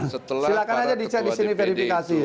silahkan saja dicat di sini verifikasi